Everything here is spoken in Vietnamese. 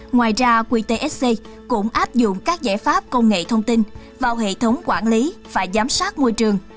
ngoài ra qtsc cũng áp dụng các giải pháp công nghệ thông tin vào hệ thống quản lý và giám sát môi trường